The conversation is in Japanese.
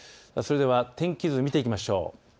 それでは天気図、見ていきましょう。